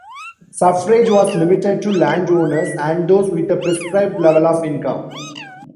Suffrage was limited to landowners and those with a prescribed level of income.